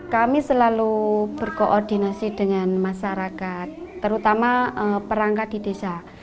kami selalu berkoordinasi dengan masyarakat terutama perangkat di desa